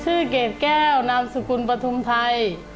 ชื่อเกดแก้วนามสุกุลปฐมไทย